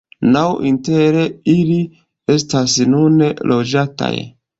Naŭ inter ili estas nune loĝataj.